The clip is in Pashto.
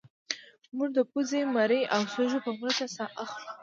موږ د پوزې مرۍ او سږو په مرسته ساه اخلو